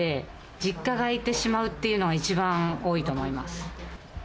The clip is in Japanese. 実家が空いてしまうっていうのが、一番多いと思います。